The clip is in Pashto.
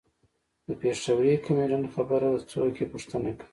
د پېښوري کمیډین خبره ده څوک یې پوښتنه کوي.